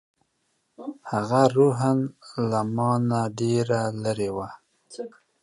هغه روحاً له ما نه ډېره لرې وه.